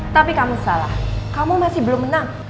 tapi kamu salah kamu masih belum menang